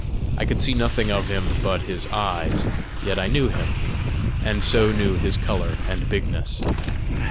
I could see nothing of him but his eyes, yet I knew him and so knew his colour and bigness.